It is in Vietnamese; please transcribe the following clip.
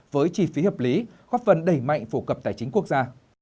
với chi phí hợp lý góp phần đẩy mạnh phổ cập tài chính quốc gia